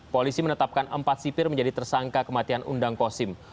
polisi menetapkan empat sipir menjadi tersangka kematian undang kosim